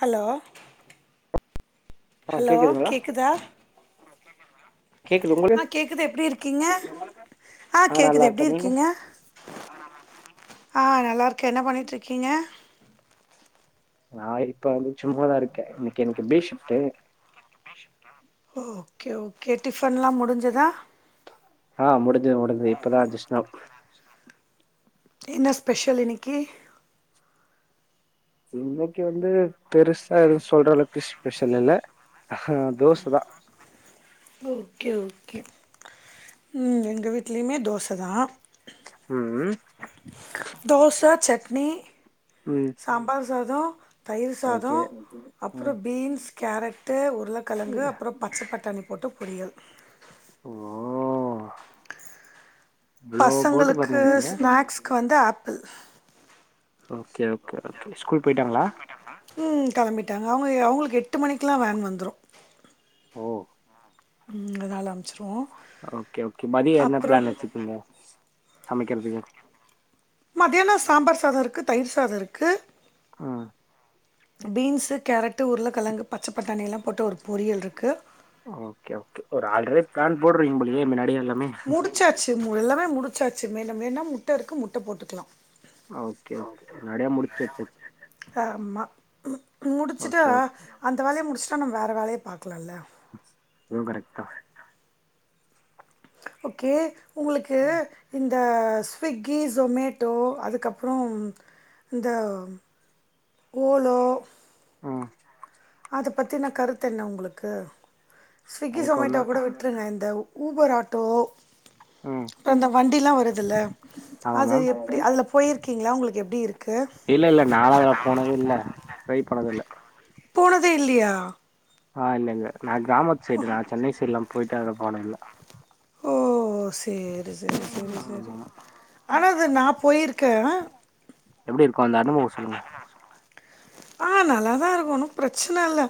Hello ஆ hello கேக்குதுங்களா? கேக்குதா கேக்குது ஆ உங்களுக்கு? கேக்குது எப்டி இருக்கீங்க ஆ நல்லா கேக்குது எப்டி இருக்கேன். நீங்க? இருக்கீங்க ஆஹ் நல்லா இருக்கே என்ன பண்ணிட்டு இருக்கீங்க நா இப்ப வந்து சும்மாதா இருக்கே இன்னைக்கு எனக்கு டே ஷிப்ட்டு ஓகே ஓகே டிஃபன்லா முடிஞ்சுதா ஆ முடிஞ்சுது முடிஞ்சு இப்பதா ஜஸ்ட் நௌ என்ன ஸ்பெஷல் இன்னிக்கி இன்னக்கி வந்து பெருசா எதுவு சொல்ற அளவுக்கு ஸ்பெஷல் இல்ல ஆஹ் தோச தா ஓகே ஓகே ம் எங்க வீட்லயுமே தோச தா ம் ம் தோச சட்னீ ம் சாம்பார் சாத தயிர் சாத ஓகே. அப்பற ம். பீன்ஸ் கேரட்டு உருளக் கிழங்கு அப்பற பச்ச பட்டாணி போட்டு பொரியல் ஓ இவ்ளோ போட்டு பசங்களுக்கு பண்ணிருக்கீங்க. ஸ்நாக்ஸ்க்கு வந்து apple okay okay okay school போய்டாங்களா ம் களம்பிட்டாங்க அவுங்க அவுங்களுக்கு எட்டு மணிக்குலா வேன் வந்துரு ஓ! ம் அதால அம்சிருவோ ஓகே ஓகே மதியோ என்ன பிளான் வெச்சிருக்கீங்க சமைக்கறதுக்கு மத்தியானோ சாம்பார் சாதோ இருக்கு தயிர் சாதோ இருக்கு ஆ பீன்ஸு கேரட்டு உருளைக்கெழங்கு பச்ச பட்டாணி எல்லா போட்டு ஒரு பொரியல் இருக்கு ஓகே ஓகே ஒரு ஆல்ரெடி பிளான் போட்றீங்க போலயே முன்னாடியே எல்லாமே முடிச்சாச்சு எல்லாமே முடிச்சாச்சு மேல வேனும்னா முட்ட இருக்கு முட்ட போட்டுக்லா ஆ ஓகே ஓகே முன்னாடியே முடிச்சி வெச்சாச்சி ஆமா முடிச்சிட்டா ஓகே ஓகே அந்த வேலையை முடிச்சுட்டா நம்ம வேற வேலைய பாக்லா இல்ல அதுவு கரெக்ட் தா ஓகே உங்களுக்கு இந்த ஸ்விக்கி ஜூமேட்டோ அதுக்கப்பறம் இந்த கோலோ ம் அத பத்தினா கருத்து என்ன உங்களுக்கு ஸ்விக்கி எனக்கு ஜொமேட்டோ ஒன்றும் கூட அப்றம் நா இந்த உஃபர் ஆட்டோ ம் அப்றம் இந்த வண்டில்லா வருதுல்ல ஆமாம் அது மேம் எப்டி அதுல போயிருக்கீங்ளா உங்களுக்கு எப்டி இருக்கு இல்ல இல்ல நாலா அதுல போனது இல்ல ட்ரை பண்ணது இல்ல போனதே இல்லையா ஆ இல்லல்ல நா கிராமத்து சைடு நா சென்னை சைடு எல்லா போயிட்டு அது போன இல்ல ஓ சேரி சேரி சேரி சேரி ஆமாம் ஆனா அது நா போயிருக்க எப்டி இருக்கு அந்த அனுபவோ சொல்லுங்க ஆ நல்லாதா இருக்கு ஒன்னு பிரச்சன இல்ல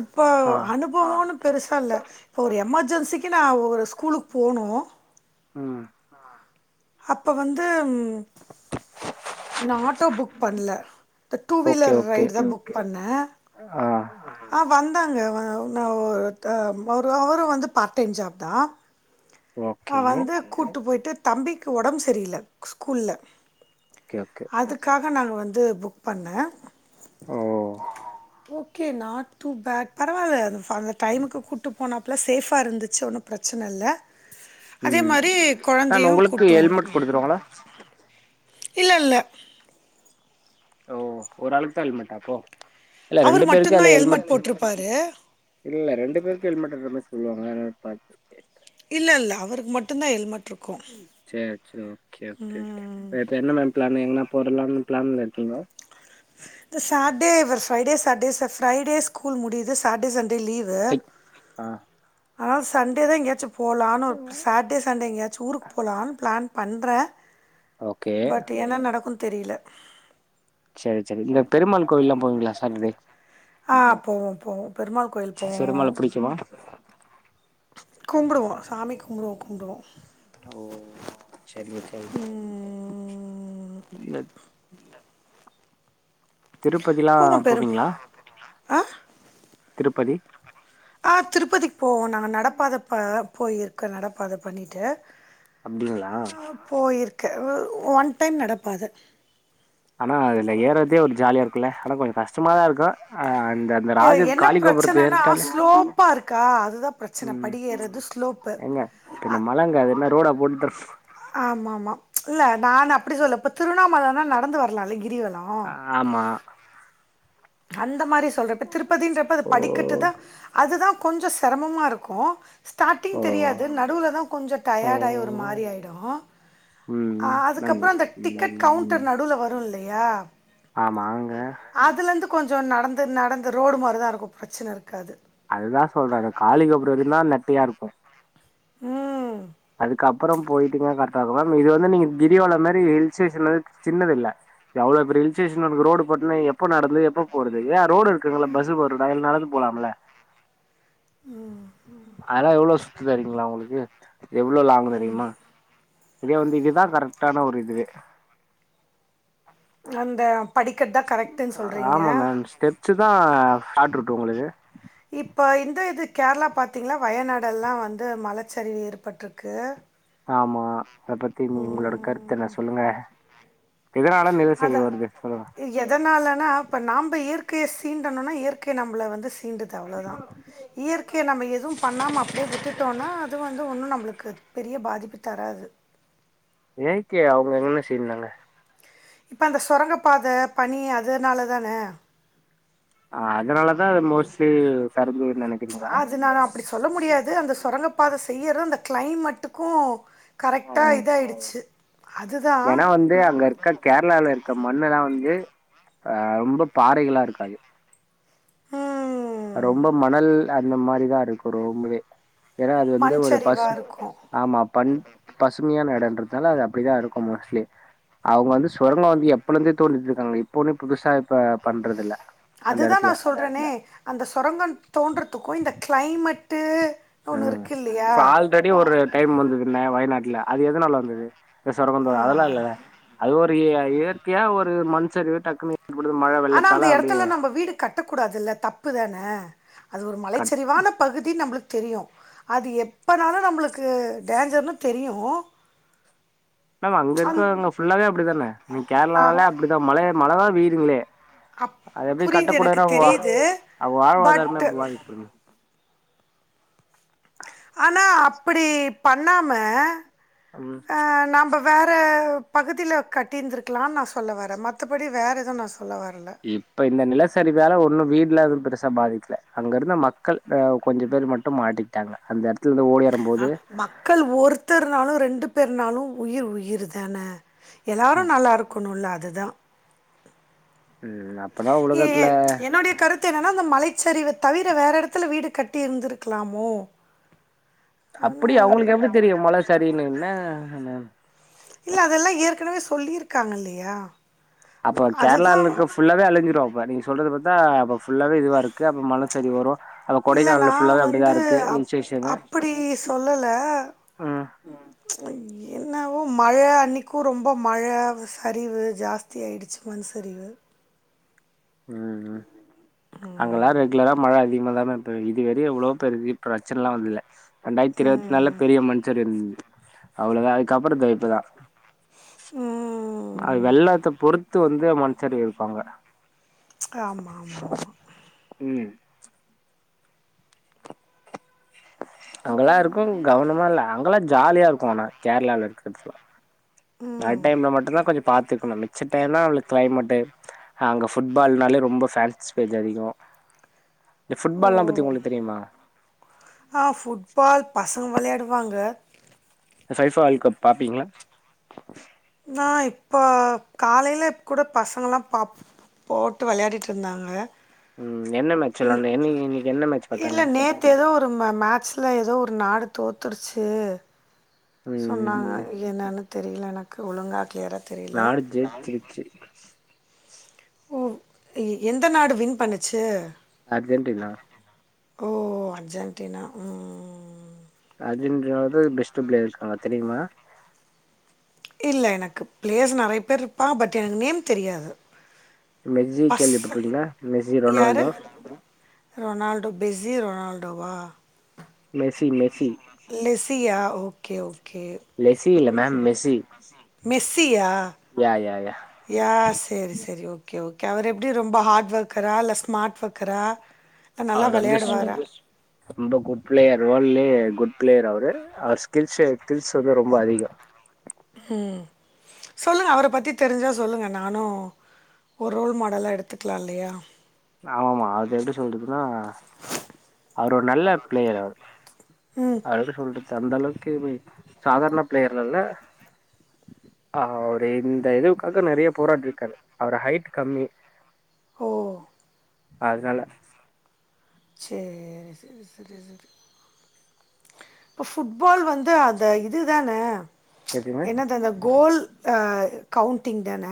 இப்ப ஆ அனுப் ஃபோனு ஒன்னு பெருசா இல்ல இப்போ ஒரு எமர்ஜென்சிக்கு நா ஒரு ஸ்கூலுக்கு போனு ம் அப்ப வந்து ம் நா ஆட்டோ புக் பண்ணல இந்த two okay wheeler okay ride தா புக் பண்ணே ஆ ஆ வந்தாங்க வா நா ஓரு டைம் ஒரு அவரு வந்து பார்ட் டைம் ஜாப் தா ஓகே வந்து கூட்டு போயி்ட்டு தம்பிக்கு ஒடம் செரியில்ல ஸ்கூல்ல ஓகே ஓகே அதுக்காக நான் வந்து புக் பண்ண ஓ ஓகே நாட் டூ பேட் பரவால்ல அ அந்த டைமுக்கு கூட்டு போனா பிளஸ் சேஃபா இருந்துச்சி ஒன்னு பிரச்சன இல்ல அதே ம் மாரி மேம் கொழந்தையு உங்களுக்கு கூட்டு வரனு ஹெல்மெட் கொடுத்துருவாங்களா இல்லல்ல ஓ ஒரு ஆளுக்கு தா ஹெல்மெட்டா ப்ரோ இல்ல அவரு ரெண்டு பேருக்குமே மட்டுந்தா அதுல ஹெல்மெட் போட்ருப்பாரு இல்ல ரெண்டு பேருக்கு ஹெல்மட் இருந்த மாரி சொல்லுவாங்க அதா பாத்திருக்க இல்லல்ல அவருக்கு மட்டும்தா ஹெல்மெட் இருக்கு ம் செர் செரி ஓகே ஒகே ஒகே ம் நேத்து என்ன மேம் பிளான் எங்கனா போறலாம்னு பிளான்ல இருக்கீங்க இந்த சாட்டர்டே இவர் Friday Saturday sir Friday school முடியுது சாட்ர் சண்டே லீவு ஹை. ஆ ஆனா சண்டே தா எங்கேயாச்சு போலான்னு ஒர் க்கு சண்டே எங்காச்சூ ஊருக்கு போலான் பிளான் பண்றே ஓகே பட் என்ன நடக்குன் தெரில சேரி சேரி இந்த பெருமாள் கோவில்ல்லா போவீங்களா சாட்டர்டே ஆ போவோ போவோ பெருமாள் கோவில்லுக்கு போவோ பெருமாள புடிக்குமா கும்பிடுவோ சாமி கும்டுவோ கும்டுவோ ஓ சரி ஓக்கேங் ம் இல்லத் திருப்பதிலா போவோ பெரும் போவீங்களா ஆ திருப்பதி ஆ திருப்பதிக்கு போவோ நாங்க நடப்பாதப் போ போயிருக்கோ நடப்பாத பண்ணிட்டு அப்டிங்களா ஆ போயிருக்கே ஒன் டைம் நடப்பாத ஆனா அதுல ஏறதே ஒரு ஜாலியா இருக்குன்ல்ல ஆனா கொஞ்சோ கஷ்டமா தா இருக்கும் அந்த அந்த ராஜ என்ன காளி கோபுரத்த பிரச்சனைன்னா ஏறிட்டாலே ஸ்லோப்பா இருக்கா அதுதா பிரச்சனை ம் படி ஏறது ஸ்லோப்பு ஏங்க பின்ன மழங்க அது என்ன ரோடா போட்டு தர ஆமாமா இல்ல நா அப்படி சொல்ல இப்ப திருவண்ணாமலன்னா நடந்து வரலா இல்ல கிரிவலோ ஆமா அந்த மாதிரி சொல்றோ இப்ப திருப்பதின்றப்ப அது ஓ படிக்கட்டு தா அதுதா கொஞ்சோ சிரமமா இருக்கோ ஸ்டார்ட்டிங் ஓ தெரியாது நடுவுல தா கொஞ்சோ டயர்டாகி ஒரு ஓ மாரி ஆயீடு ம் அ நன் அதுக்கப்புறோ அந்த டிக்கெட் ம் கவுண்டர் நடுவுல வரூம் இல்லயா ஆமா ங்க அதுலேருந்து கொஞ்சோ நடந்து நடந்து ரோடு மாரி தா இருக்கோ பிரச்சனை இருக்காது அதுதா சொல்றோ அந்த காளி கோபுரோ வர தா நெட்டையா இருக்கோ ம் அதுக்கு அப்புறோ போயிட்டீங்கா கரெக்டா இருக்கோ மேம் இது வந்து நீங்க கிரிவலம் மாதிரி ஹில் ஸ்டேஷன் வந்து சின்னதில்ல இது அவ்ளோ பெரிய ஹில்ஸ் ஸ்டேஷன்க்கு ரோடு போட்னா எப்ப நடந்து எப்ப போறது ஏன் ரோடு இருக்குங்கிள்ல பஸ்சு போற ரோடு அதுல நடந்து போலாம்ல்ல அதெல்லா எவ்ளோ ரிஸ்க் தெரியுங்களா உங்களுக்கு எவ்ளோ லாங் தெரியுமா இதே வந்து இதுதா கரெக்டான ஒரு இதுவே அந்த படிக்கட்டு தா கரெக்டுன்னு சொல்றீங்க வச்சு தா ஃஸ்பாட் இருக்கு உங்களுக்கு இப்போ இந்த இது கேரளா பார்த்தீங்கன்னா வயநாடெலா வந்து மலச்சரிவு ஏற்பட்டிருக்கு ஆமா அத பத்தி உங் உங்களோட கருத்து என்ன ம், சொல்லுங்க எதனால நிலைசரிவு வருது சொல்லுங்க எதனாலன்னா இப்போ நம்ப இயற்கய சீண்டணும்னா இயற்கை நம்மள வந்து சீண்டுது அவ்ளோதா இயற்கய நம்ம எதுவூ பண்ணாம அப்படியே விட்டுட்டோனா அது வந்து ஒன்னூ நம்மளுக்கு பெரிய பாதிப்பு தராது இயற்கை அவுங்க எங்கன செய்ஞ்சாங்க இப்போ அந்த சுரங்க பாதை பணி அதனால தானே ஆ அதனால தா அது மோஸ்ட்லி கரஞ்சுது நெனக் அது நா அப்டி சொல்ல முடியாது அந்த சுரங்கப்பாதை செய்யறதூ அந்த கிளைமட்டுக்கூ கரெக்டா இதாயிடுச்சு அதுதான் ஏனா வந்து அங்க இருக்கர கேரளால க்க மண்ணெல்லா வந்து ஆ ரொம்ப பாறைகளாருக்காது ம், ரொம்ப மணல் அந்த மாரிதாருக்கு ரொம்பவே ஏனா அது வந்து மண் ஒரு சரிவா பச இருக்கும் ஆமா பண் பசுமையான எடொன்றதுனால அது அப்டிதா இருக்கு மோஸ்ட்லி அவுங்க வந்து சொரங்கோ வந்து எப்பழுந்தே தோண்டிட்ருக்காங்க இப்ப ஒன்னு புதுசா இப்ப பண்றதில்ல அதுதா நா சொல்றேனே அந்த சொரங்கோ தோன்றதுக்கு இந்த கிளைமெட்டு ம் இப்ப ஆல்ரெடி ஒரு டைம் வந்தது னாங்க வயநாட்ல அது எதுனால வந்தது இந்த சொரங்கொ தோ அதெல்லா இல்லல்ல அது ஒரு இய இயற்கையா ஒரு மண் சரிவு டக்குன்னு ஏற்ப்பட்டது மழ ஆனால் அந்த வெள்ளத்தால அப்டே இடத்துல நம்ம வீடு கட்டக்கூடாதுல்ல தப்பு தானே அது ஒரு கட் மலைச்சரிவான பகுதி நம்ளுக் தெரியு அது எப்பனாலு நம்ளுக்கு டேஞ்சர்னு தெரியு மேம் அங்க இருக்கவங்க ஃபுல்லாவே அப்டிதானே இனி ஆ கேர்ளானாலே அப்டிதா மழ மழதா பெய்துங்ளே அப் அது எப்டி புரியுது எனக்கு கட்டக்கூடாதுன்னா வா தெரியுது அவுங்க வாழ்வாதாரமே பட் பாதிக்கப்படுமே ஆனா அப்பிடி பண்ணாம ம் ஆ நம்ப வேற பகுதில கட்டியிருந்துருக்கலான் நா சொல்ல வரே மத்தபடி வேற எது நா சொல்ல வரல இப்ப இந்த நிலசரிவால ஒன்னு வீட்லா எது பெருசா பாதிக்ல அங்கருந்த மக்கள் ஆ கொஞ்ச பேர் ம ட்டு மாட்டிகிட்டாங்க அந்த எட அ மக்கள் ஒருத்தர்னாலு ரெண்டு பேர்னாலு உயிர் உயிர் தான எல்லாரு நல்லாருக்குனுல்ல அதுதா ம் ம் ஆ ஏ என்னுடைய கரு த்து என்னன்னா அந்த மலைச்சரிவ தவிர வேற எடத்துல வீடு கட்டி இருந்திருக்கலாமோ அப்டி அவுங்களுக்கு எப்டி தெரியு மல சரியுன்னு என்னா மேம் இல்ல அதெல்லா ஏற்கனவே சொல்லிருக்காங்க இல்லயா அப்ப கேரளாலருக்க ஃபுல்லாவே அழிஞ்சிரு இப்ப நீங்க சொல்றத பாத்தா அப்ப ஃபுல்லாவே இதுவாருக்கு அப்போ மல சரிவு வரு இல்ல நா வந்து ஹில் அப் ஸ்டேஷனு. அப்புடி சொல்லல ம். என்னவோ மழ அன்னிக்கி ரொம்ப மழ சரிவு ஜாஸ்தி ஆய்டுச்சு மண் சரிவு ம் ம் அங்கல்லா ரெகு லரா மழ அதிகமா தா மேம் பெ இதுவரையு எவ்ளோ பேருக்கு பிரச்சனல்லா வந்தில்ல ரெண்டாய்ர்த்தி இருவத் நால்ள ம் பெரிய மண்சரிவு இருந்தது அவ்ளோதா அதுக்கப்றோ தோ இப்பதா மழ ம் வெள்ளத்த பொறுத்து வந்து மண்ச்சரியவப்பாங்க ஆமாமாமா ம் அங்கெல்லாருக்கு கவனமால்ல அங்கெல்லா ஜாலியாருக்கு ஆனா கேர்ளால இருக்கற்துலா ம் நைட் டைம்ல மட்டுந்தா கொஞ்சோ பாத்து இர்க்கனு மிச்ச டைம்னா நம்மளுக் கிளைமெட்டு அங்க ஃபுட்பால்னாலே ரொம்ப ஃபேன்ஸ் பேஜ் அதிகோ இந்த ஓ ஃபுட்பால்லா பத்தி உங்களுக் தெரிமா ஆ ஃபுட்பால் பசங்க வெளயாடுவாங்க ஃபைபா வேல் கப் பாப்பீங்ளா நா இப்ப காலைல கூட பசங்களா பாப் போட்டு வெளயாடிட்ருந்தாங்க ம் என்ன மேட்ச் விளாண்டோ என்ன இன்னைக்கு என்ன மேட்ச் இல்ல பாத்தாங்க நேத் தே எதோ ஒரு மே மேட்ச்ல எதோ ஒரு நாடு தோத்துடுச்சு ம் சொன்னாங்க என்னனு தெரில எனக்கு ஒழுங்கா கிளியரா தெரியல நாடு ஜெய்ச்சிருச்சு ஓ எ எந்த நாடு வின் பண்ணுச்சு அர்ஜென்டினா ஓ அர்ஜென்ட்டினா ம் ம் ம் அர்ஜென்டினாவுக்கு பெஸ்ட் பிளே இருக்காங்க தெரிமா இல்ல எனக்கு பிளேஸ் நறைய பேர் இருப்பா பட் எனக்கு நேம் தெரியாது மெஸ்ஸி பஸ்ஸ கேள்விப்பட்டிருக்கீங்களா மெஸ்ஸி யாரு ரொனால்டோ ரொனால்டோ பிஸி ரொனால்டோவா மெஸி மெஸி லெசியா ஓகே ஓகே லெஸ்ஸி இல்ல மேம் மெஸ்ஸி மெஸ்சியா யா யா யா யா சேரி சேரி ஓகே ஓகே அவர் எப்டி ரொம்ப ஹார்ட் ஒர்க்கரா இல்ல ஸ்மார்ட் ஒர்க்கரா இல்லை நல்லா அவரு வந்து சூ வெளையாடுவாரா ரொம்ப குட் பிளேயர் வேல்டுலயே குட் பிளேயர் அவரு அவர் ஸ்கில்சே ஸ்கில்ஸ் வந்து ரொம்ப அதிகோ ம் சொல்லுங்க அவர பத்தி தெரிஞ்சா சொல்லுங்க நானு ஒரு ரோல் மாடலா எடுத்துக்கலா இல்லயா ஆமாம்மா அது எப்டி சொல்றதுனா அவர் ஒரு நல்ல பிளேயர் அவர் ம். அதுக்கு சொல்றது அந்த அளவுக்கு சாதாரண பிளேயர்லல்ல அவரு இந்த இதுவுக்காக நறைய போராடிருக்காரு அவர் ஹைட் கம்மி ஓ அதுனால சேர் செரி செரி செரி இப்ப ஃபுட்பால் வந்து அத இதுதான எதுங்க என்னது அத கோல் அ கவுண்டிங் தான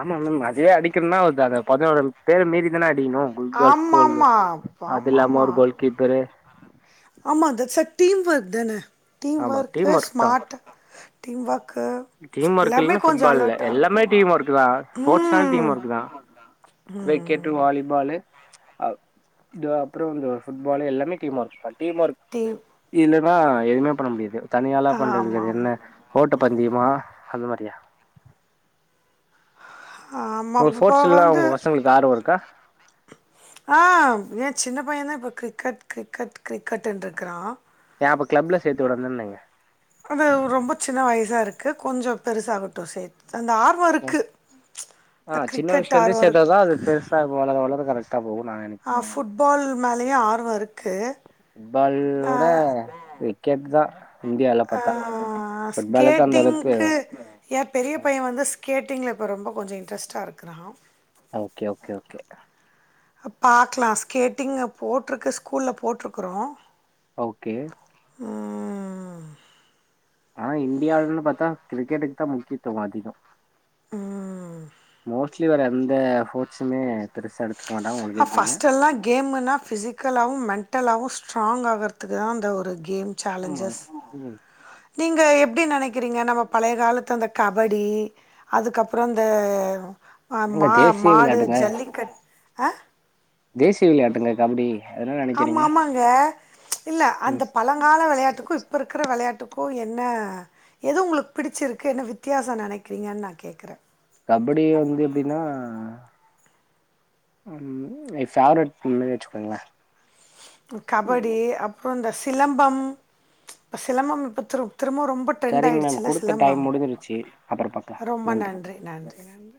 ஆமா மேம் அதயே அடிக்கனுன்னா அத அத பதனோட பேர மீறி தான அடிக்கணு குல் ஆமாமா. [unintelligible] அதுல்லாம ஆமாமா. ஒரு கோல் கீப்பரு ஆமா தட்ஸ் எ டீம் ஒர்க் தான டீம் ஆமா ஒர்க்கு டீம் ஒர்க் தா smart team work team work இல்லன்ன ஃபுட்பால் இல்ல எல்லாமே டீம் ஒர்க்கு தா ஸ்போர்ட்ஸ்னாலே டீம் ம். ஒர்க்கு தா ம். கிரிக்கெட்டு வாலிபாலு தோ அப்பறோ வந்து ஃபுட்பாலு எல்லாமே டீம் ஒர்க் தா டீம் ஒர்க் டீம் இல்லன்னா எதுமே பண்ண முடியாது தனியாலா பண்றது வேற ஆமாமா. என்ன ஓட்ட பந்தயோ மா அந்த மாரியா ஆமா உங்க இப்பபா ஸ்போர்ட்ஸ்ல்லா வந்து உங்க பசங்களுக்கு ஆர்வோ இருக்கா ஆ ஏ சின்ன பையனே இப்ப கிரிக்கெட் கிரிக்கெட் கிரிக்கெட்ண்ருக்கறா ஏ அப்ப கிளப்ல சேத்து விடந்தென்னங்க அது ரொம்ப சின்ன வயசா இருக்கு கொஞ்சோ பெருசாகட்டு சேத் அந்த ஆ ஆ சின்ன விஷ்ல இருந்தே ஆர்வோ சேத்தா இருக் தா அது பெருசாகு வளர வளர கரெக்ட்டா போகு நா நெனைக் ஆ ஃபுட்பால் மேலயு ஆர்வோ இருக்கு ஆ ஃபுட்பாலோட கிரிக்கெட் தா இந்தியால ஆ பாத்தா ஃபுட்பாலுக்கு அந்த அளவுக்கு ஸ்கேட்டிங்க்கு ஏ பெரிய பைய வந்து ஸ்கேட்டிங்ல இப்ப ரொம்ப கொஞ்சோ இன்ரெஸ்ட்டா இருக்கறா ஓகே ஓகே ஓகே பாக்கலா ஸ்கேட்டிங்க போட்ருக்கு ஸ்கூல்ல போட்ருக்குறோ ஓகே ம் ஆனா இண்டியாவ்லன் பாத்தா கிரிக்கெட்டுக்கு தா முக்கியத்துவோ அதிகோ ம் மோஸ்ட்லி வேற எந்த ஃபோட்ஸுமே ஆ ஃபஸ்ட்டெல்லா கேமுன்னா ஃபிசிக்கலாவு மெண்டலாவு ஸ்ட்ராங் ஆகற்த்துக்கு தா அந்த ஒரு கேம் ஆமா சேலஞ்சஸ் ம் நீங்க எப்டி நெனைக்கறீங்க நம்ம பழைய காலத்து அந்த கபடி அதுக்கப்பறோ அந்த அ எங்க மா தேசிய மாடு விளையாட்டுங்க ஜல்லிக்கட் ஆ தேசிய விளையாட்டுங்க கபடி அதுனா நெனைக் ஆமா ஆமாங்க இல்ல அந்த பழங்கால விளயாட்டுக்கு இப்ப இருக் கிற விளயாட்டுக்கு என்ன எது உங்ளுக் பிடிச்சிருக்கு என்ன வித்தியாசோ நெனைக்றீங்கன் நா கேக்கறே கபடி வந்து எப்டினா எ ஃபேவரெட் [inaudible] மாரி வெச்சுக்கங்ளே கபடி அப்பறோ இந்த சிலம்பம் சிலம்பம் இப்ப திரு திரும்பவு ரொம்ப ட்ரெண்டா சரிங்க மேம் ஆய்டுச்சில்ல குடுத்த சிலம்பம் டைம் முடிஞ்சிருச்சு அப்புறம் பாக்கலாம் ரொம்ப நன்றி நன்றி நன்றி